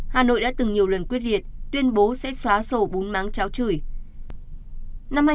hà nội đã từng nhiều lần quyết liệt tuyên bố sẽ xóa sổ bốn máng cháo chửi